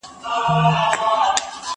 زه اوس سیر کوم.